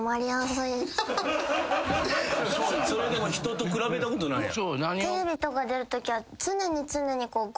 それでも人と比べたことないやろ。